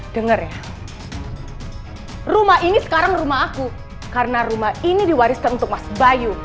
dengar ya rumah ini sekarang rumah aku karena rumah ini diwariskan untuk mas bayu